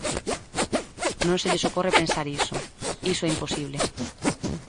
Non se lles ocorre pensar iso, iso é imposible.